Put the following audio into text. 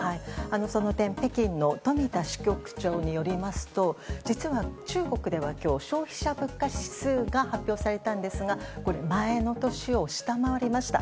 その点北京の富田支局長によりますと実は、中国では今日消費者物価指数が発表されたんですが前の年を下回りました。